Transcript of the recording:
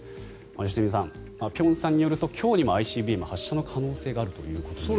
良純さん、辺さんによると今日にもＩＣＢＭ発射の可能性があるということです。